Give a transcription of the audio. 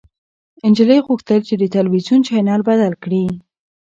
نجلۍ غوښتل چې د تلويزيون چاینل بدل کړي.